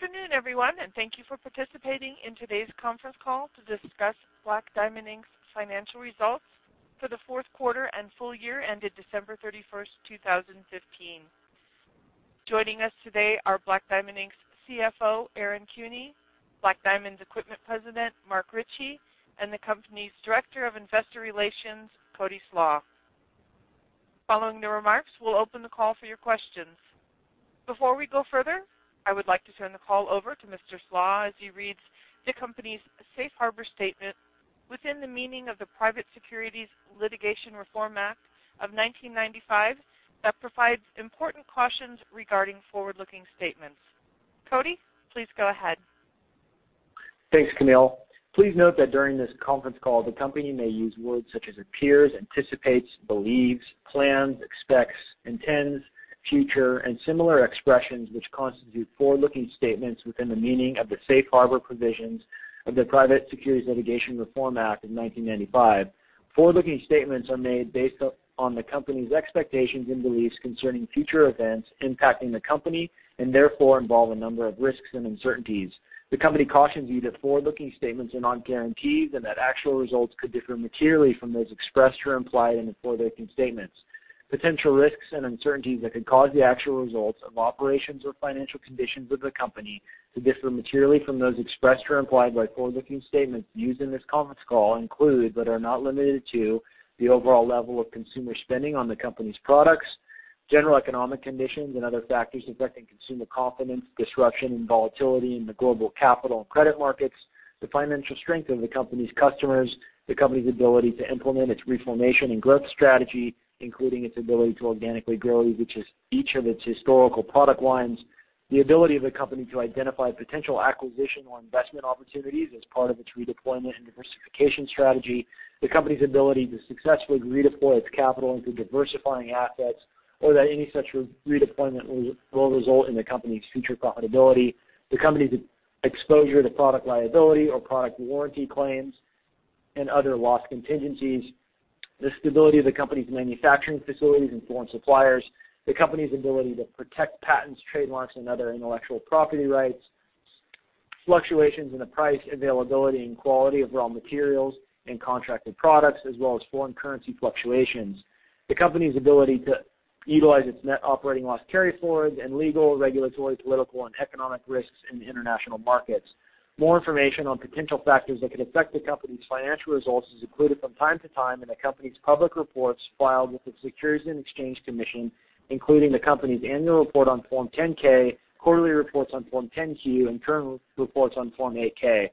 Good afternoon, everyone, and thank you for participating in today's conference call to discuss Black Diamond, Inc.'s Financial Results for the Fourth Quarter and Full Year Ended December 31st, 2015. Joining us today are Black Diamond, Inc.'s CFO, Aaron Kuehne, Black Diamond Equipment President, Mark Ritchie, and the company's Director of Investor Relations, Cody Slach. Following the remarks, we'll open the call for your questions. Before we go further, I would like to turn the call over to Mr. Slach as he reads the company's safe harbor statement within the meaning of the Private Securities Litigation Reform Act of 1995, that provides important cautions regarding forward-looking statements. Cody, please go ahead. Thanks, Camille. Please note that during this conference call, the company may use words such as appears, anticipates, believes, plans, expects, intends, future, and similar expressions which constitute forward-looking statements within the meaning of the safe harbor provisions of the Private Securities Litigation Reform Act of 1995. Forward-looking statements are made based upon the company's expectations and beliefs concerning future events impacting the company, and therefore involve a number of risks and uncertainties. The company cautions you that forward-looking statements are not guarantees and that actual results could differ materially from those expressed or implied in the forward-looking statements. Potential risks and uncertainties that could cause the actual results of operations or financial conditions of the company to differ materially from those expressed or implied by forward-looking statements used in this conference call include, but are not limited to, the overall level of consumer spending on the company's products; general economic conditions and other factors affecting consumer confidence, disruption and volatility in the global capital and credit markets, the financial strength of the company's customers; the company's ability to implement its reformation and growth strategy, including its ability to organically grow each of its historical product lines; the ability of the company to identify potential acquisition or investment opportunities as part of its redeployment and diversification strategy; the company's ability to successfully redeploy its capital into diversifying assets, or that any such redeployment will result in the company's future profitability; the company's exposure to product liability or product warranty claims and other loss contingencies, the stability of the company's manufacturing facilities and foreign suppliers; the company's ability to protect patents, trademarks, and other intellectual property rights, fluctuations in the price, availability, and quality of raw materials and contracted products, as well as foreign currency fluctuations; the company's ability to utilize its net operating loss carryforwards and legal, regulatory, political, and economic risks in the international markets. More information on potential factors that could affect the company's financial results is included from time to time in the company's public reports filed with the Securities and Exchange Commission, including the company's annual report on Form 10-K, quarterly reports on Form 10-Q, and current reports on Form 8-K.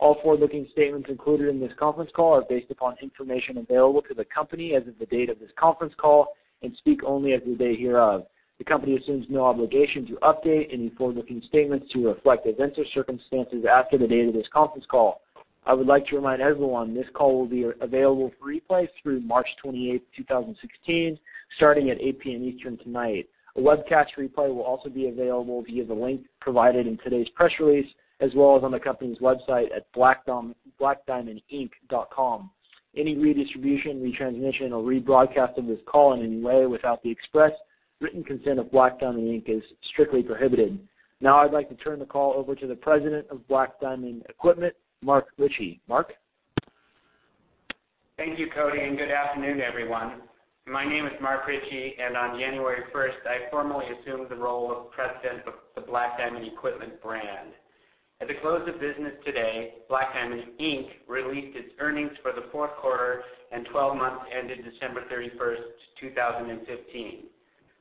All forward-looking statements included in this conference call are based upon information available to the company as of the date of this conference call and speak only as of the day hereof. The company assumes no obligation to update any forward-looking statements to reflect events or circumstances after the date of this conference call. I would like to remind everyone this call will be available for replay through March 28, 2016, starting at 8:00 P.M. Eastern tonight. A webcast replay will also be available via the link provided in today's press release, as well as on the company's website at blackdiamondequipment.com. Any redistribution, retransmission, or rebroadcast of this call in any way without the express written consent of Black Diamond, Inc. is strictly prohibited. I'd like to turn the call over to the President of Black Diamond Equipment, Mark Ritchie. Mark? Thank you, Cody, and good afternoon, everyone. My name is Mark Ritchie, and on January 1st, I formally assumed the role of President of the Black Diamond Equipment brand. At the close of business today, Black Diamond, Inc. released its earnings for the fourth quarter and 12 months ended December 31st, 2015.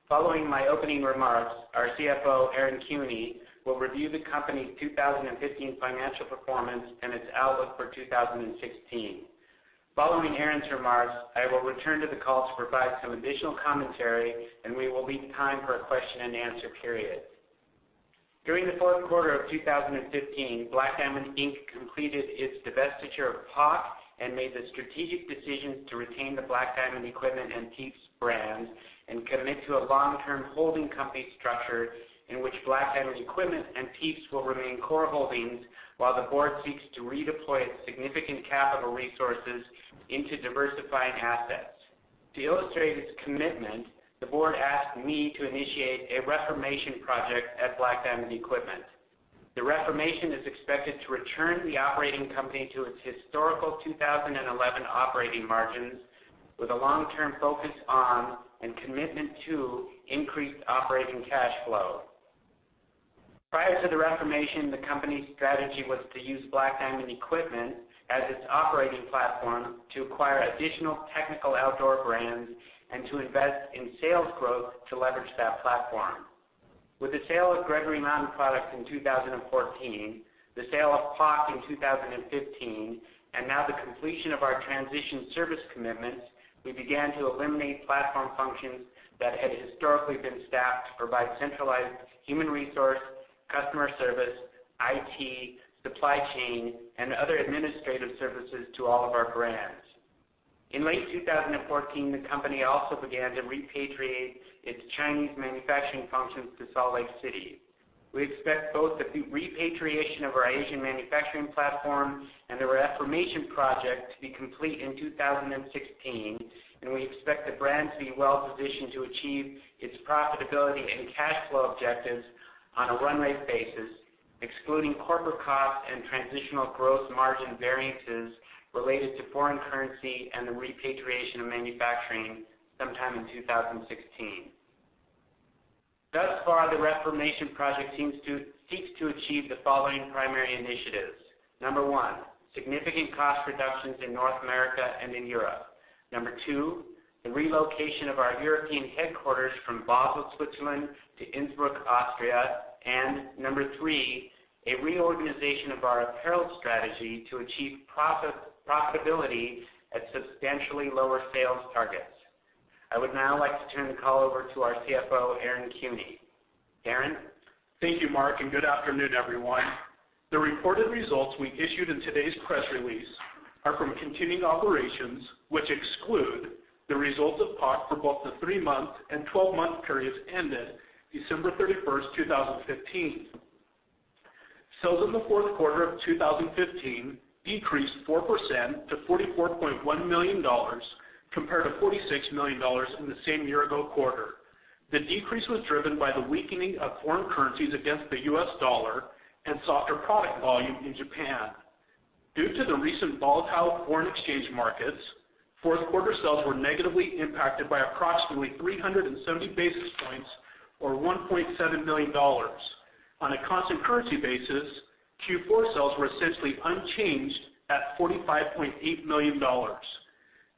Following my opening remarks, our CFO, Aaron Kuehne, will review the company's 2015 financial performance and its outlook for 2016. Following Aaron's remarks, I will return to the call to provide some additional commentary, and we will leave time for a question and answer period. During the fourth quarter of 2015, Black Diamond, Inc. completed its divestiture of POC and made the strategic decision to retain the Black Diamond Equipment and PIEPS brands and commit to a long-term holding company structure in which Black Diamond Equipment and PIEPS will remain core holdings while the board seeks to redeploy its significant capital resources into diversifying assets. To illustrate its commitment, the board asked me to initiate a reformation project at Black Diamond Equipment. The reformation is expected to return the operating company to its historical 2011 operating margins with a long-term focus on, and commitment to, increased operating cash flow. Prior to the reformation, the company's strategy was to use Black Diamond Equipment as its operating platform to acquire additional technical outdoor brands and to invest in sales growth to leverage that platform. With the sale of Gregory Mountain Products in 2014, the sale of POC in 2015, and now the completion of our transition service commitments, we began to eliminate platform functions that had historically been staffed to provide centralized human resource, customer service, IT, supply chain, and other administrative services to all of our brands. In late 2014, the company also began to repatriate its Chinese manufacturing functions to Salt Lake City. We expect both the repatriation of our Asian manufacturing platform and the reformation project to be complete in 2016, and we expect the brand to be well-positioned to achieve its profitability and cash flow objectives on a run-rate basis. Excluding corporate costs and transitional gross margin variances related to foreign currency and the repatriation of manufacturing sometime in 2016. Thus far, the reformation project seeks to achieve the following primary initiatives. Number one, significant cost reductions in North America and in Europe. Number two, the relocation of our European headquarters from Basel, Switzerland to Innsbruck, Austria. Number three, a reorganization of our apparel strategy to achieve profitability at substantially lower sales targets. I would now like to turn the call over to our CFO, Aaron Kuehne. Aaron? Thank you, Mark, and good afternoon, everyone. The reported results we issued in today's press release are from continuing operations, which exclude the results of POC for both the three-month and 12-month periods ended December 31st, 2015. Sales in the fourth quarter of 2015 decreased 4% to $44.1 million, compared to $46 million in the same year-ago quarter. The decrease was driven by the weakening of foreign currencies against the U.S. dollar and softer product volume in Japan. Due to the recent volatile foreign exchange markets, fourth quarter sales were negatively impacted by approximately 370 basis points, or $1.7 million. On a constant currency basis, Q4 sales were essentially unchanged at $45.8 million.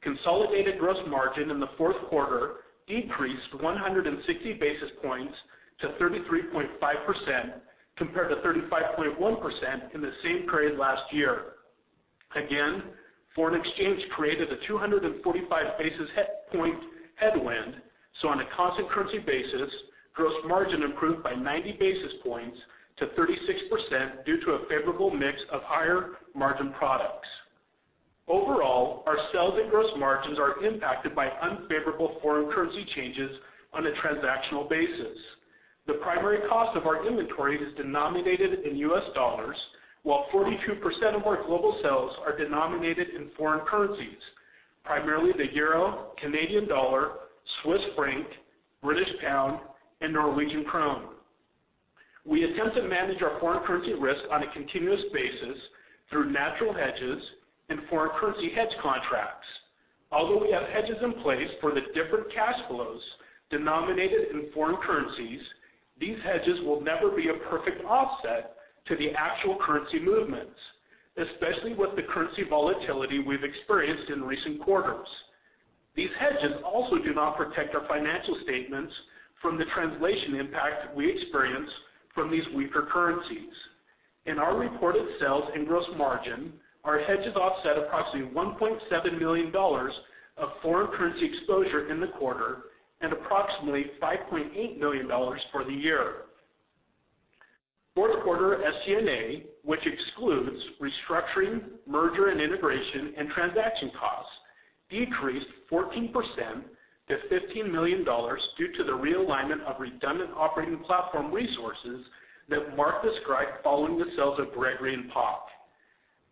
Consolidated gross margin in the fourth quarter decreased 160 basis points to 33.5%, compared to 35.1% in the same period last year. Foreign exchange created a 245 basis point headwind. On a constant currency basis, gross margin improved by 90 basis points to 36%, due to a favorable mix of higher margin products. Overall, our sales and gross margins are impacted by unfavorable foreign currency changes on a transactional basis. The primary cost of our inventory is denominated in U.S. dollars, while 42% of our global sales are denominated in foreign currencies, primarily the euro, Canadian dollar, Swiss franc, British pound, and Norwegian krone. We attempt to manage our foreign currency risk on a continuous basis through natural hedges and foreign currency hedge contracts. Although we have hedges in place for the different cash flows denominated in foreign currencies, these hedges will never be a perfect offset to the actual currency movements, especially with the currency volatility we've experienced in recent quarters. These hedges also do not protect our financial statements from the translation impact we experience from these weaker currencies. In our reported sales and gross margin, our hedges offset approximately $1.7 million of foreign currency exposure in the quarter and approximately $5.8 million for the year. Fourth quarter SG&A, which excludes restructuring, merger and integration, and transaction costs, decreased 14% to $15 million due to the realignment of redundant operating platform resources that Mark described following the sales of Gregory and POC.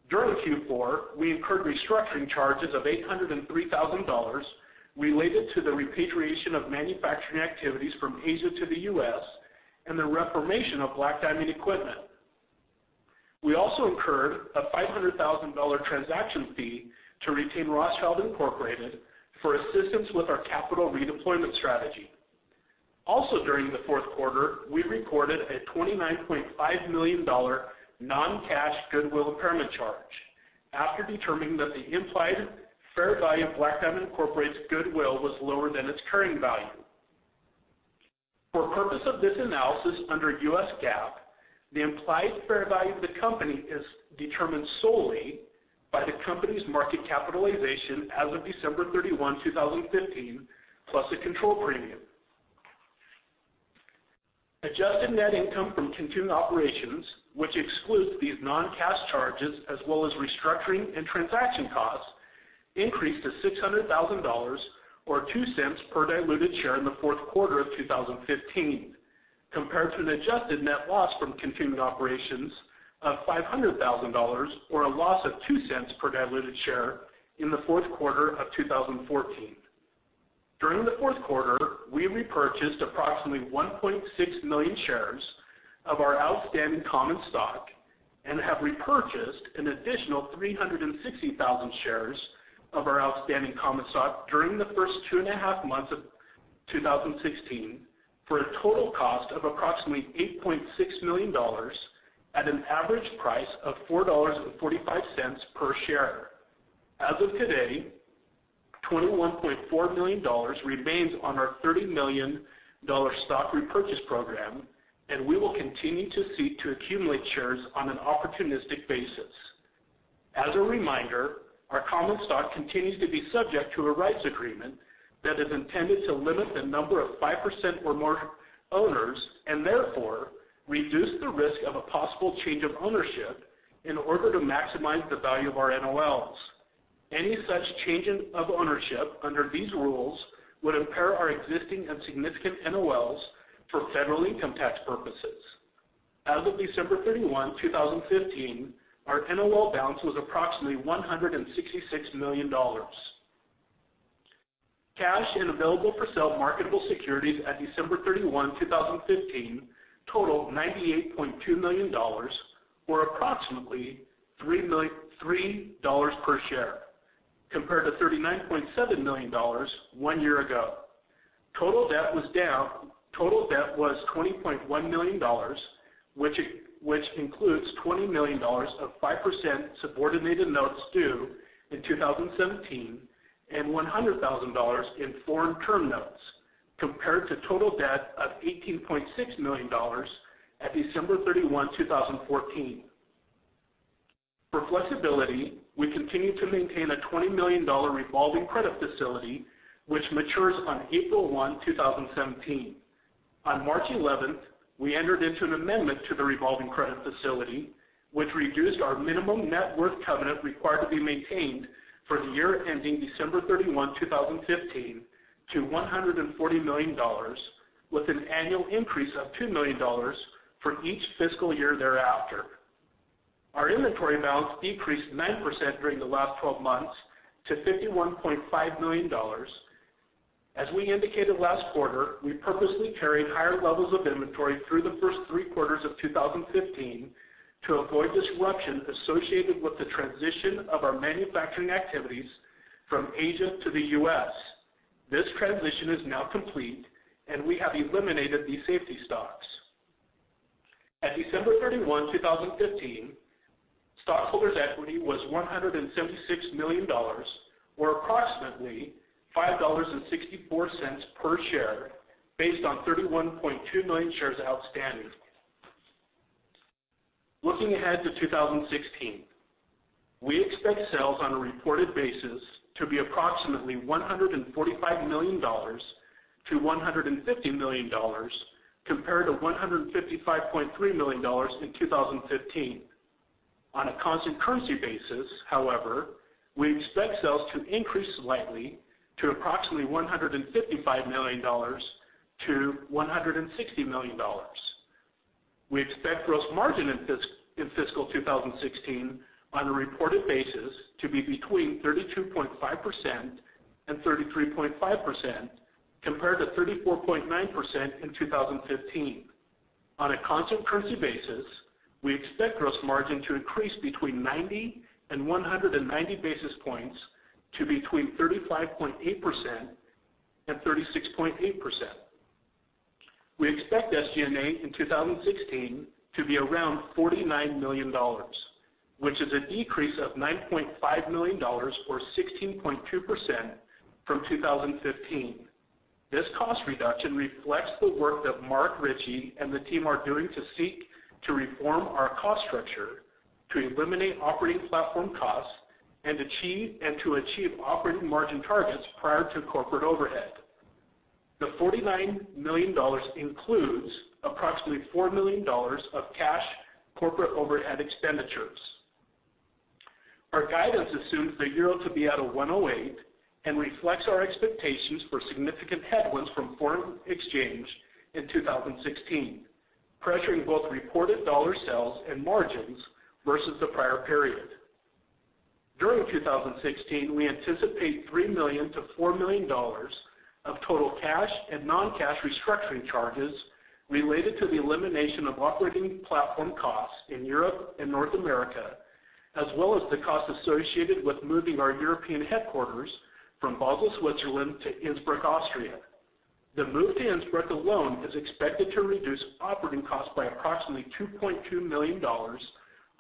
During Q4, we incurred restructuring charges of $803,000 related to the repatriation of manufacturing activities from Asia to the U.S. and the reformation of Black Diamond Equipment. We also incurred a $500,000 transaction fee to retain Rothschild & Co for assistance with our capital redeployment strategy. Also during the fourth quarter, we recorded a $29.5 million non-cash goodwill impairment charge after determining that the implied fair value of Black Diamond, Inc.'s goodwill was lower than its carrying value. For purpose of this analysis under US GAAP, the implied fair value of the company is determined solely by the company's market capitalization as of December 31, 2015, plus a control premium. Adjusted net income from continued operations, which excludes these non-cash charges as well as restructuring and transaction costs, increased to $600,000, or $0.02 per diluted share in the fourth quarter of 2015, compared to an adjusted net loss from continued operations of $500,000, or a loss of $0.02 per diluted share in the fourth quarter of 2014. During the fourth quarter, we repurchased approximately 1.6 million shares of our outstanding common stock and have repurchased an additional 360,000 shares of our outstanding common stock during the first two and a half months of 2016, for a total cost of approximately $8.6 million at an average price of $4.45 per share. As of today, $21.4 million remains on our $30 million stock repurchase program, and we will continue to seek to accumulate shares on an opportunistic basis. As a reminder, our common stock continues to be subject to a rights agreement that is intended to limit the number of 5% or more owners, and therefore reduce the risk of a possible change of ownership in order to maximize the value of our NOLs. Any such change of ownership under these rules would impair our existing and significant NOLs for federal income tax purposes. As of December 31, 2015, our NOL balance was approximately $166 million. Cash and available-for-sale marketable securities at December 31, 2015 totaled $98.2 million, or approximately $3 per share, compared to $39.7 million one year ago. Total debt was $20.1 million, which includes $20 million of 5% subordinated notes due in 2017, and $100,000 in foreign term notes, compared to total debt of $18.6 million at December 31, 2014. For flexibility, we continue to maintain a $20 million revolving credit facility, which matures on April 1, 2017. On March 11th, we entered into an amendment to the revolving credit facility, which reduced our minimum net worth covenant required to be maintained for the year ending December 31, 2015, to $140 million, with an annual increase of $2 million for each fiscal year thereafter. Our inventory balance decreased 9% during the last 12 months to $51.5 million. As we indicated last quarter, we purposely carried higher levels of inventory through the first three quarters of 2015 to avoid disruption associated with the transition of our manufacturing activities from Asia to the U.S. This transition is now complete, and we have eliminated these safety stocks. At December 31, 2015, stockholders' equity was $176 million, or approximately $5.64 per share, based on 31.2 million shares outstanding. Looking ahead to 2016, we expect sales on a reported basis to be approximately $145 million-$150 million, compared to $155.3 million in 2015. On a constant currency basis, however, we expect sales to increase slightly to approximately $155 million-$160 million. We expect gross margin in fiscal 2016 on a reported basis to be between 32.5% and 33.5%, compared to 34.9% in 2015. On a constant currency basis, we expect gross margin to increase between 90 and 190 basis points to between 35.8% and 36.8%. We expect SG&A in 2016 to be around $49 million, which is a decrease of $9.5 million or 16.2% from 2015. This cost reduction reflects the work that Mark Ritchie and the team are doing to seek to reform our cost structure to eliminate operating platform costs, and to achieve operating margin targets prior to corporate overhead. The $49 million includes approximately $4 million of cash corporate overhead expenditures. Our guidance assumes the euro to be at a 1.08 and reflects our expectations for significant headwinds from foreign exchange in 2016, pressuring both reported dollar sales and margins versus the prior period. During 2016, we anticipate $3 million to $4 million of total cash and non-cash restructuring charges related to the elimination of operating platform costs in Europe and North America, as well as the cost associated with moving our European headquarters from Basel, Switzerland to Innsbruck, Austria. The move to Innsbruck alone is expected to reduce operating costs by approximately $2.2 million on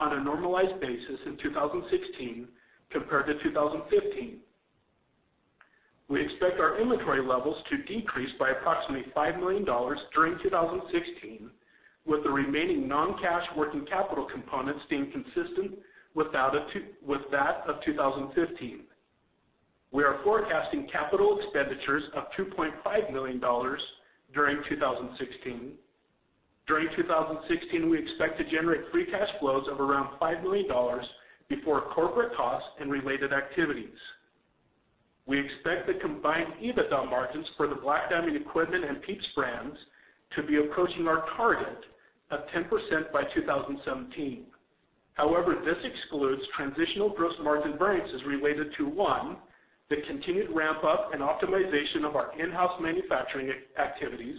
a normalized basis in 2016 compared to 2015. We expect our inventory levels to decrease by approximately $5 million during 2016, with the remaining non-cash working capital components staying consistent with that of 2015. We are forecasting capital expenditures of $2.5 million during 2016. During 2016, we expect to generate free cash flows of around $5 million before corporate costs and related activities. We expect the combined EBITDA margins for the Black Diamond Equipment and PIEPS brands to be approaching our target of 10% by 2017. However, this excludes transitional gross margin variances related to, one, the continued ramp-up and optimization of our in-house manufacturing activities,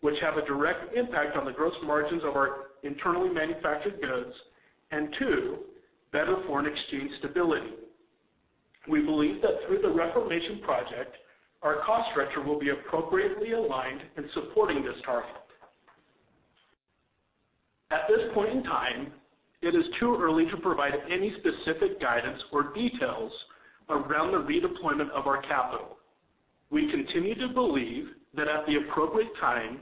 which have a direct impact on the gross margins of our internally manufactured goods, and two, better foreign exchange stability. We believe that through the Reformation Project, our cost structure will be appropriately aligned in supporting this target. At this point in time, it is too early to provide any specific guidance or details around the redeployment of our capital. We continue to believe that at the appropriate time,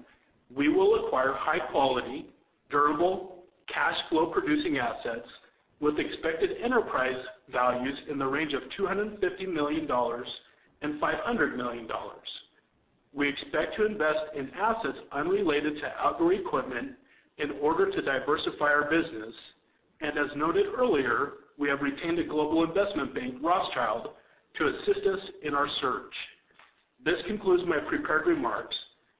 we will acquire high-quality, durable, cash flow-producing assets with expected enterprise values in the range of $250 million-$500 million. We expect to invest in assets unrelated to outdoor equipment in order to diversify our business, and as noted earlier, we have retained a global investment bank, Rothschild, to assist us in our search. This concludes my prepared remarks.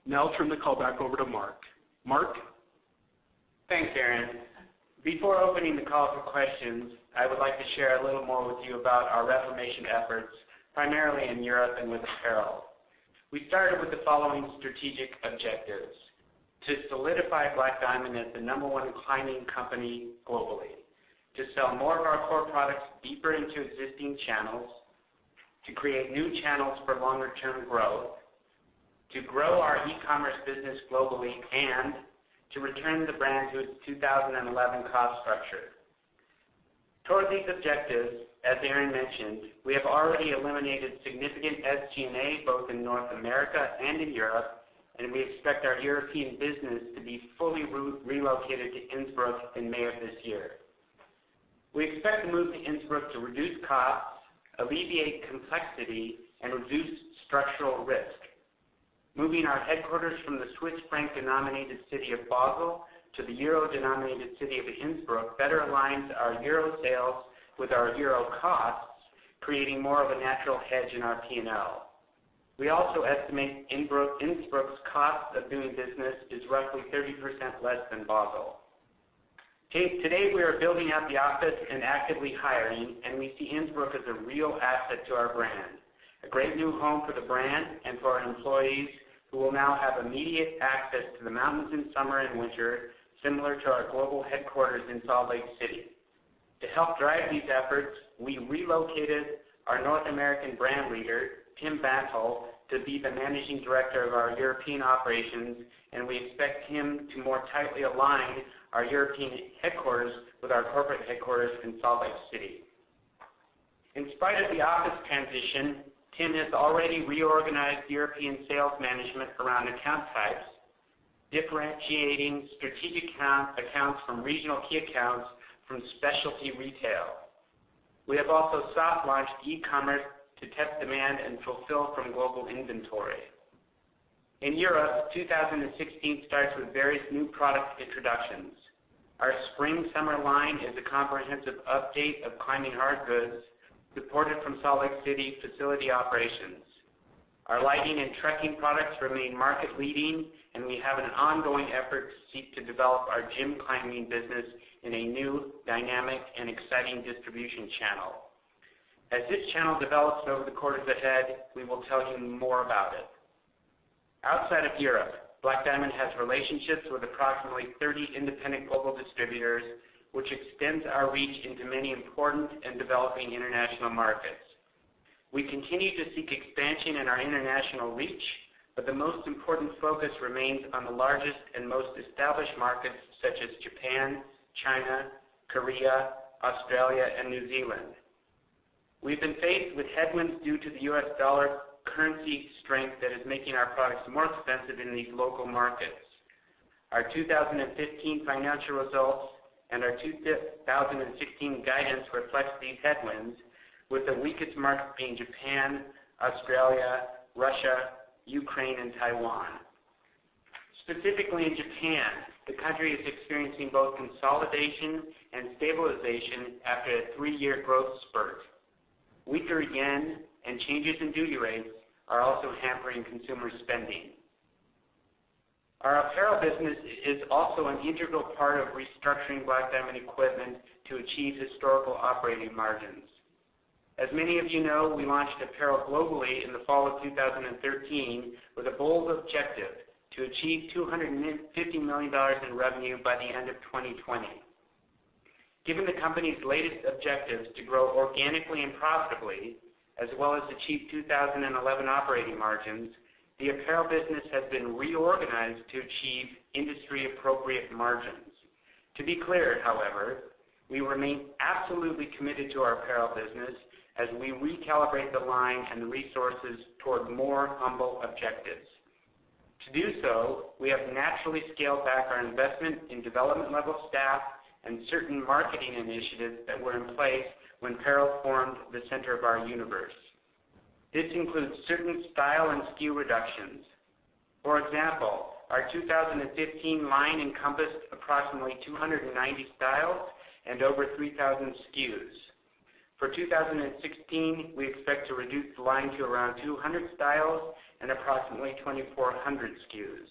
Now I'll turn the call back over to Mark. Mark? Thanks, Aaron. Before opening the call for questions, I would like to share a little more with you about our reformation efforts, primarily in Europe and with apparel. We started with the following strategic objectives. To solidify Black Diamond as the number one climbing company globally, to sell more of our core products deeper into existing channels, to create new channels for longer-term growth, to grow our e-commerce business globally, and to return the brand to its 2011 cost structure. Towards these objectives, as Aaron mentioned, we have already eliminated significant SG&A both in North America and in Europe, and we expect our European business to be fully relocated to Innsbruck in May of this year. We expect the move to Innsbruck to reduce costs, alleviate complexity, and reduce structural risk. Moving our headquarters from the Swiss franc-denominated city of Basel to the euro-denominated city of Innsbruck better aligns our euro sales with our euro costs, creating more of a natural hedge in our P&L. We also estimate Innsbruck's cost of doing business is roughly 30% less than Basel. To date, we are building out the office and actively hiring, and we see Innsbruck as a real asset to our brand, a great new home for the brand and for our employees, who will now have immediate access to the mountains in summer and winter, similar to our global headquarters in Salt Lake City. To help drive these efforts, we relocated our North American brand leader, Tim Bantle, to be the Managing Director of our European operations, and we expect him to more tightly align our European headquarters with our corporate headquarters in Salt Lake City. In spite of the office transition, Tim has already reorganized European sales management around account types, differentiating strategic accounts from regional key accounts from specialty retail. We have also soft launched e-commerce to test demand and fulfill from global inventory. In Europe, 2016 starts with various new product introductions. Our spring/summer line is a comprehensive update of climbing hard goods supported from Salt Lake City facility operations. Our lighting and trekking products remain market leading, and we have an ongoing effort to seek to develop our gym climbing business in a new, dynamic, and exciting distribution channel. As this channel develops over the quarters ahead, we will tell you more about it. Outside of Europe, Black Diamond has relationships with approximately 30 independent global distributors, which extends our reach into many important and developing international markets. We continue to seek expansion in our international reach, the most important focus remains on the largest and most established markets, such as Japan, China, Korea, Australia, and New Zealand. We've been faced with headwinds due to the US dollar currency strength that is making our products more expensive in these local markets. Our 2015 financial results and our 2016 guidance reflects these headwinds, with the weakest markets being Japan, Australia, Russia, Ukraine, and Taiwan. Specifically in Japan, the country is experiencing both consolidation and stabilization after a three-year growth spurt. Weaker yen and changes in duty rates are also hampering consumer spending. Our apparel business is also an integral part of restructuring Black Diamond Equipment to achieve historical operating margins. As many of you know, we launched apparel globally in the fall of 2013 with a bold objective, to achieve $250 million in revenue by the end of 2020. Given the company's latest objectives to grow organically and profitably, as well as achieve 2011 operating margins, the apparel business has been reorganized to achieve industry-appropriate margins. To be clear, however, we remain absolutely committed to our apparel business as we recalibrate the line and resources toward more humble objectives. To do so, we have naturally scaled back our investment in development-level staff and certain marketing initiatives that were in place when apparel formed the center of our universe. This includes certain style and SKU reductions. For example, our 2015 line encompassed approximately 290 styles and over 3,000 SKUs. For 2016, we expect to reduce the line to around 200 styles and approximately 2,400 SKUs.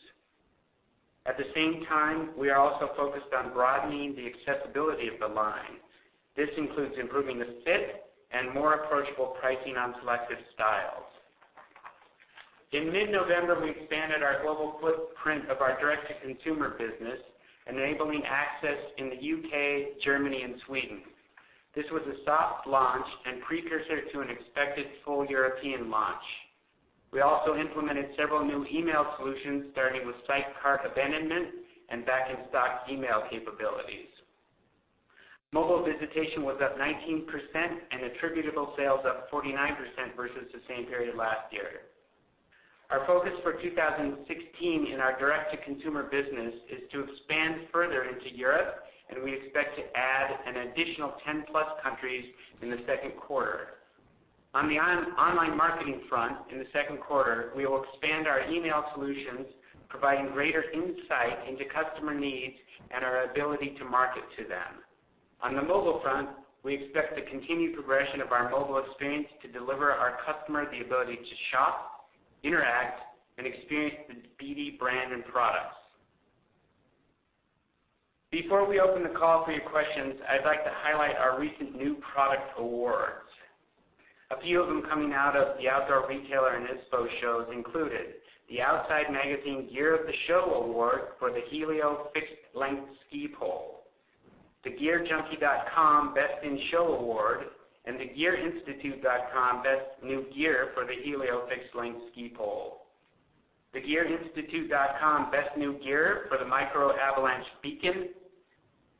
At the same time, we are also focused on broadening the accessibility of the line. This includes improving the fit and more approachable pricing on selected styles. In mid-November, we expanded our global footprint of our direct-to-consumer business, enabling access in the U.K., Germany, and Sweden. This was a soft launch and precursor to an expected full European launch. We also implemented several new email solutions, starting with site cart abandonment and back-in-stock email capabilities. Mobile visitation was up 19%, and attributable sales up 49% versus the same period last year. Our focus for 2016 in our direct-to-consumer business is to expand further into Europe, and we expect to add an additional 10-plus countries in the second quarter. On the online marketing front in the second quarter, we will expand our email solutions, providing greater insight into customer needs and our ability to market to them. On the mobile front, we expect the continued progression of our mobile experience to deliver our customers the ability to shop, interact, and experience the BD brand and products. Before we open the call for your questions, I'd like to highlight our recent new product awards. A few of them coming out of the Outdoor Retailer and ISPO shows included, the Outside Magazine Gear of the Show award for the Helio Fixed Length Ski Pole, the gearjunkie.com Best in Show award, and the gearinstitute.com Best New Gear for the Helio Fixed Length Ski Pole. The gearinstitute.com Best New Gear for the Micro Avalanche Beacon,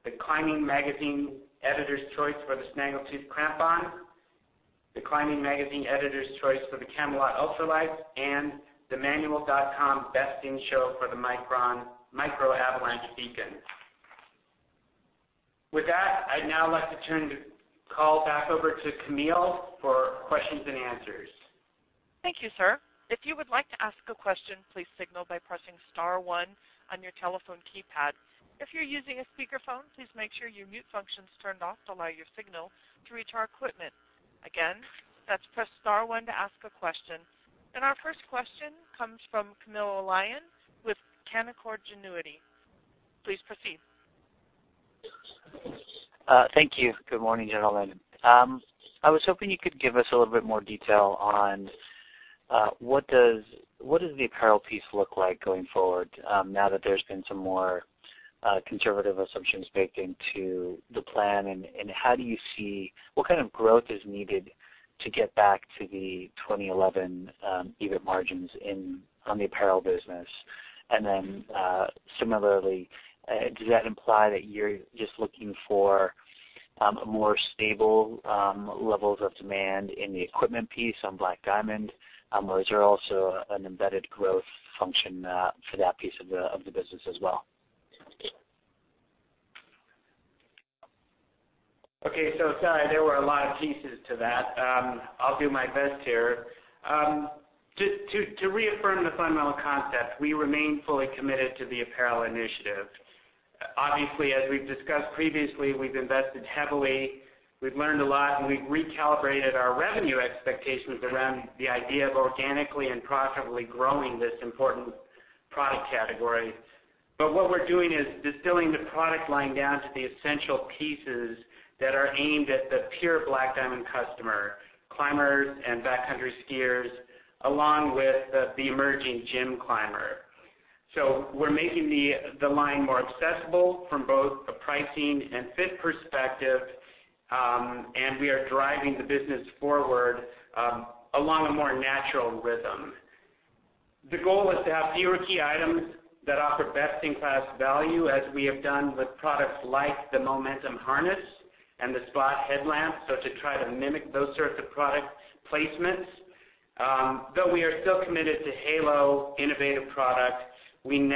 the Climbing Editor's Choice for the Snaggletooth Crampon, the Climbing Editor's Choice for the Camalot Ultralight, and themanual.com Best in Show for the Micro Avalanche Beacon. With that, I'd now like to turn the call back over to Camille for questions and answers. Thank you, sir. If you would like to ask a question, please signal by pressing star one on your telephone keypad. If you're using a speakerphone, please make sure your mute function's turned off to allow your signal to reach our equipment. Again, that's press star one to ask a question. Our first question comes from Camilo Lyon with Canaccord Genuity. Please proceed. Thank you. Good morning, gentlemen. I was hoping you could give us a little bit more detail on what does the apparel piece look like going forward, now that there's been some more conservative assumptions baked into the plan. What kind of growth is needed to get back to the 2011 EBIT margins on the apparel business? Similarly, does that imply that you're just looking for more stable levels of demand in the equipment piece on Black Diamond? Is there also an embedded growth function for that piece of the business as well? Okay. Sorry, there were a lot of pieces to that. I'll do my best here. To reaffirm the fundamental concept, we remain fully committed to the apparel initiative. Obviously, as we've discussed previously, we've invested heavily, we've learned a lot, and we've recalibrated our revenue expectations around the idea of organically and profitably growing this important product category. What we're doing is distilling the product line down to the essential pieces that are aimed at the pure Black Diamond customer, climbers and backcountry skiers, along with the emerging gym climber. We're making the line more accessible from both a pricing and fit perspective, and we are driving the business forward along a more natural rhythm. The goal is to have fewer key items that offer best-in-class value, as we have done with products like the Momentum harness and the Spot headlamp, so to try to mimic those sorts of product placements. Though we are still committed to halo innovative product, we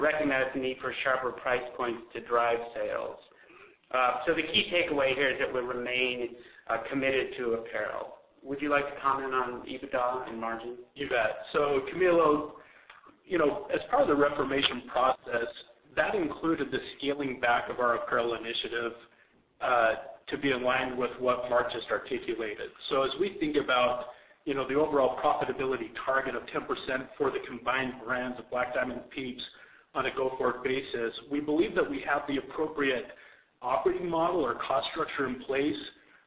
recognize the need for sharper price points to drive sales. The key takeaway here is that we remain committed to apparel. Would you like to comment on EBITDA and margin? You bet. Camilo, as part of the reformation process, that included the scaling back of our apparel initiative to be aligned with what Mark just articulated. As we think about the overall profitability target of 10% for the combined brands of Black Diamond and PIEPS on a go-forward basis, we believe that we have the appropriate operating model or cost structure in place,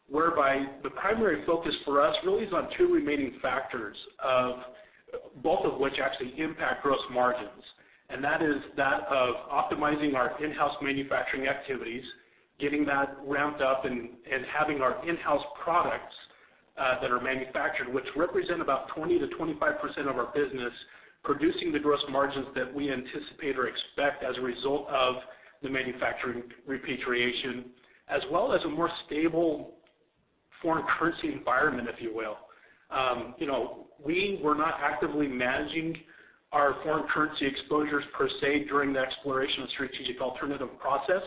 whereby the primary focus for us really is on two remaining factors, both of which actually impact gross margins. That is that of optimizing our in-house manufacturing activities, getting that ramped up, and having our in-house products that are manufactured, which represent about 20%-25% of our business, producing the gross margins that we anticipate or expect as a result of the manufacturing repatriation, as well as a more stable foreign currency environment, if you will. We were not actively managing our foreign currency exposures per se during the exploration of strategic alternative process,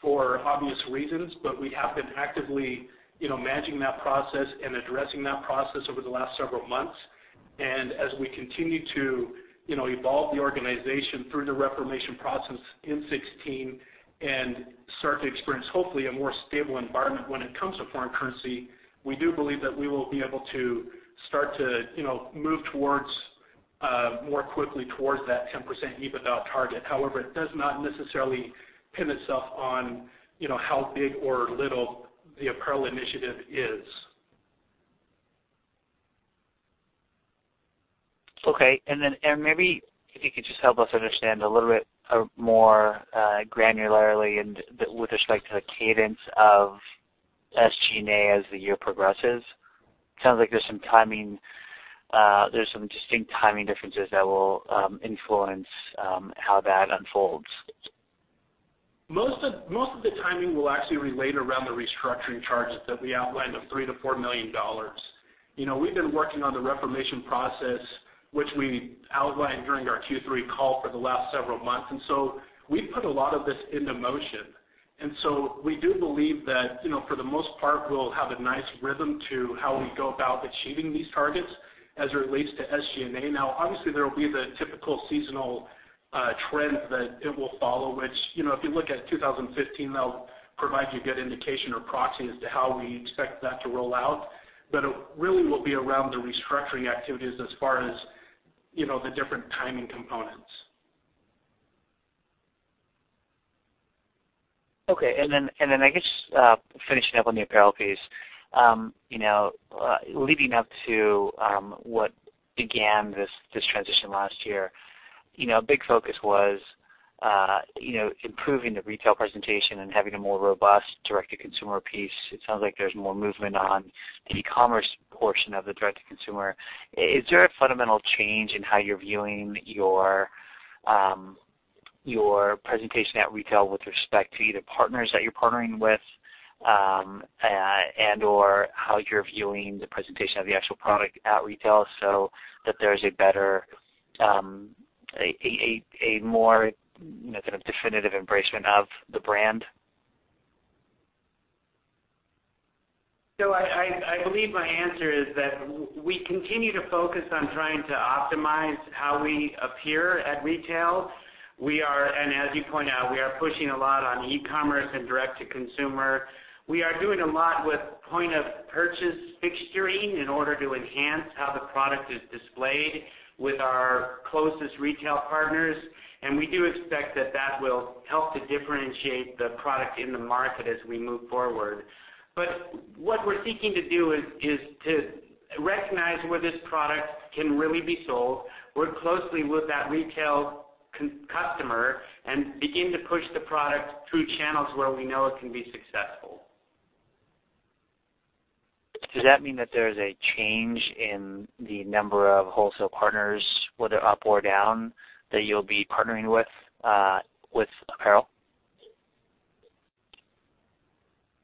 for obvious reasons. We have been actively managing that process and addressing that process over the last several months. As we continue to evolve the organization through the reformation process in 2016 and start to experience, hopefully, a more stable environment when it comes to foreign currency, we do believe that we will be able to start to move more quickly towards that 10% EBITDA target. However, it does not necessarily pin itself on how big or little the apparel initiative is. Okay. Maybe if you could just help us understand a little bit more granularly with respect to the cadence of SG&A as the year progresses. Sounds like there's some distinct timing differences that will influence how that unfolds. Most of the timing will actually relate around the restructuring charges that we outlined of $3 million-$4 million. We've been working on the reformation process, which we outlined during our Q3 call for the last several months, and so we've put a lot of this into motion. We do believe that, for the most part, we'll have a nice rhythm to how we go about achieving these targets as it relates to SG&A. Now, obviously, there will be the typical seasonal trends that it will follow, which if you look at 2015, that'll provide you a good indication or proxy as to how we expect that to roll out. It really will be around the restructuring activities as far as the different timing components. Okay. I guess finishing up on the apparel piece. Leading up to what began this transition last year, big focus was improving the retail presentation and having a more robust direct-to-consumer piece. It sounds like there is more movement on the e-commerce portion of the direct-to-consumer. Is there a fundamental change in how you are viewing your presentation at retail with respect to either partners that you are partnering with, and/or how you are viewing the presentation of the actual product at retail so that there is a more definitive embracement of the brand? I believe my answer is that we continue to focus on trying to optimize how we appear at retail. As you point out, we are pushing a lot on e-commerce and direct-to-consumer. We are doing a lot with point-of-purchase fixturing in order to enhance how the product is displayed with our closest retail partners, and we do expect that that will help to differentiate the product in the market as we move forward. What we're seeking to do is to recognize where this product can really be sold, work closely with that retail customer, and begin to push the product through channels where we know it can be successful. Does that mean that there's a change in the number of wholesale partners, whether up or down, that you'll be partnering with apparel?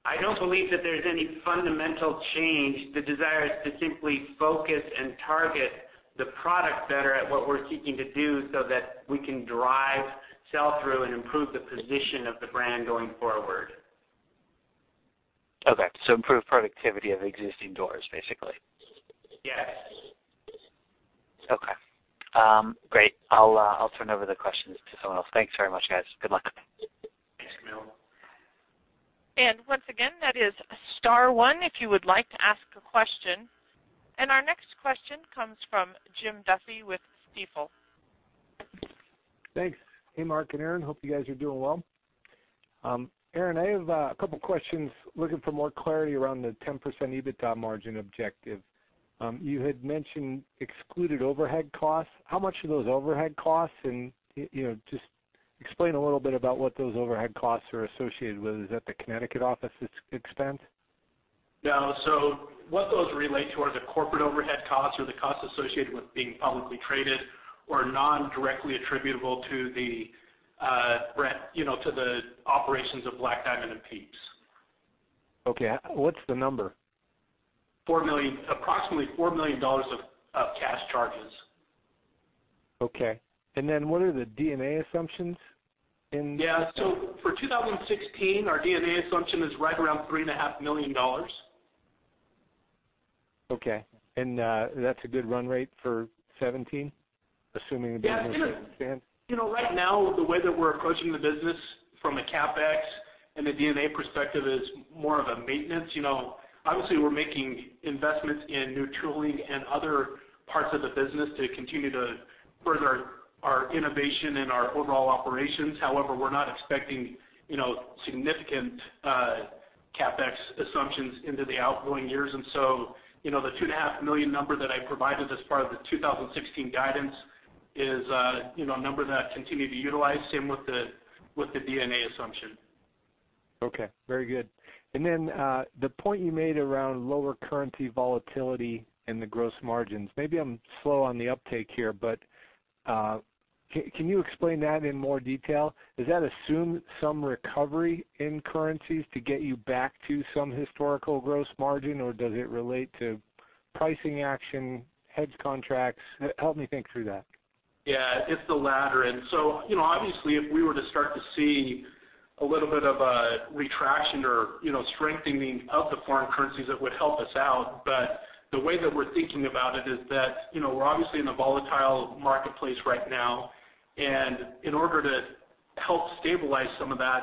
I don't believe that there's any fundamental change. The desire is to simply focus and target the product better at what we're seeking to do so that we can drive sell-through and improve the position of the brand going forward. Okay. Improve productivity of existing doors, basically. Yes. Okay. Great. I'll turn over the questions to someone else. Thanks very much, guys. Good luck. Thanks, Camilo. Once again, that is star one if you would like to ask a question. Our next question comes from Jim Duffy with Stifel. Thanks. Hey, Mark and Aaron. Hope you guys are doing well. Aaron, I have a couple questions. Looking for more clarity around the 10% EBITDA margin objective. You had mentioned excluded overhead costs. How much are those overhead costs? Just explain a little bit about what those overhead costs are associated with. Is that the Connecticut office's expense? No. What those relate to are the corporate overhead costs or the costs associated with being publicly traded or non-directly attributable to the operations of Black Diamond and PIEPS. Okay. What's the number? Approximately $4 million of cash charges. Okay. Then what are the D&A assumptions in- Yeah. For 2016, our D&A assumption is right around $3.5 million. Okay. That's a good run rate for 2017, assuming the business expands? Right now, the way that we're approaching the business from a CapEx and a D&A perspective is more of a maintenance. Obviously, we're making investments in new tooling and other parts of the business to continue to further our innovation and our overall operations. However, we're not expecting significant CapEx assumptions into the outgoing years. The two and a half million number that I provided as part of the 2016 guidance is a number that I continue to utilize, same with the D&A assumption. Okay. Very good. The point you made around lower currency volatility and the gross margins. Maybe I'm slow on the uptake here, but can you explain that in more detail? Does that assume some recovery in currencies to get you back to some historical gross margin, or does it relate to pricing action, hedge contracts? Help me think through that. Yeah, it's the latter. Obviously if we were to start to see a little bit of a retraction or strengthening of the foreign currencies, that would help us out. The way that we're thinking about it is that we're obviously in a volatile marketplace right now, and in order to help stabilize some of that,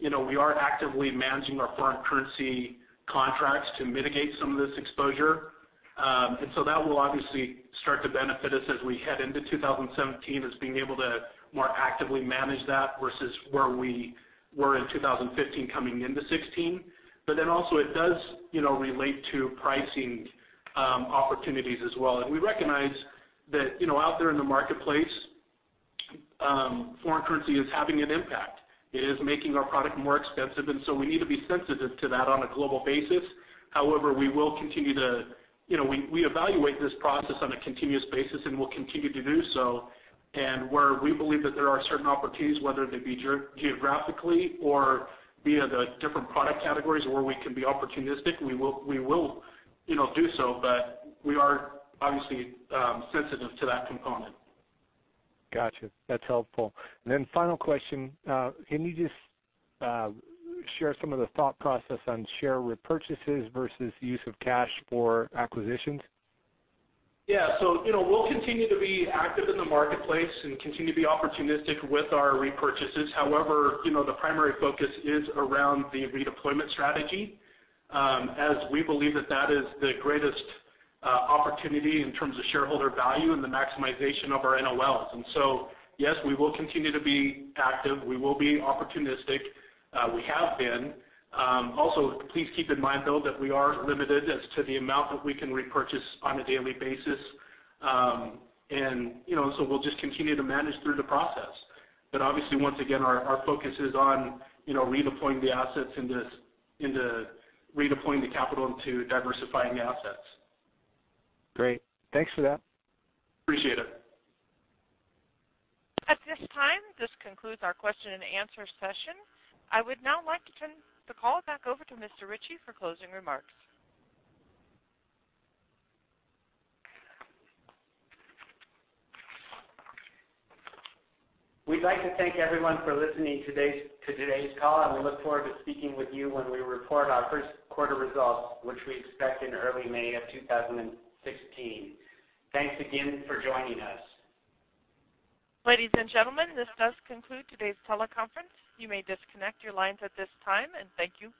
we are actively managing our foreign currency contracts to mitigate some of this exposure. That will obviously start to benefit us as we head into 2017, is being able to more actively manage that versus where we were in 2015 coming into 2016. Also it does relate to pricing opportunities as well. We recognize that out there in the marketplace, foreign currency is having an impact. It is making our product more expensive, and so we need to be sensitive to that on a global basis. However, we evaluate this process on a continuous basis and will continue to do so. Where we believe that there are certain opportunities, whether they be geographically or via the different product categories where we can be opportunistic, we will do so, but we are obviously sensitive to that component. Got you. That's helpful. Final question, can you just share some of the thought process on share repurchases versus use of cash for acquisitions? Yeah. We'll continue to be active in the marketplace and continue to be opportunistic with our repurchases. However, the primary focus is around the redeployment strategy, as we believe that that is the greatest opportunity in terms of shareholder value and the maximization of our NOLs. Yes, we will continue to be active. We will be opportunistic. We have been. Also, please keep in mind, though, that we are limited as to the amount that we can repurchase on a daily basis. We'll just continue to manage through the process. Obviously, once again, our focus is on redeploying the capital into diversifying assets. Great. Thanks for that. Appreciate it. At this time, this concludes our question and answer session. I would now like to turn the call back over to Mr. Ritchie for closing remarks. We'd like to thank everyone for listening to today's call, and we look forward to speaking with you when we report our first quarter results, which we expect in early May of 2016. Thanks again for joining us. Ladies and gentlemen, this does conclude today's teleconference. You may disconnect your lines at this time, and thank you.